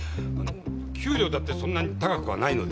給料だってそんなに高くはないのです。